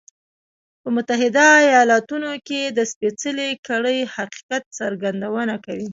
په متحده ایالتونو کې د سپېڅلې کړۍ حقیقت څرګندونه کوي.